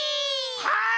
はい！